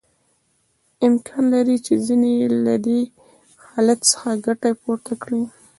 امکان لري چې ځینې یې له دې حالت څخه ګټه پورته کړي